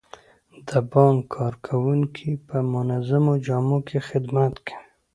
د بانک کارکوونکي په منظمو جامو کې خدمت کوي.